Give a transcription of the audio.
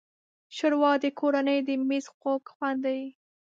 ښوروا د کورنۍ د مېز خوږ خوند دی.